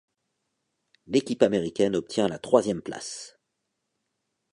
L'équipe américaine obtient la troisième place.